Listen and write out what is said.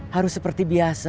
harus seperti biasa